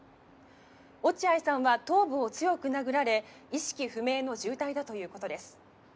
「落合さんは頭部を強く殴られ意識不明の重体だという事です」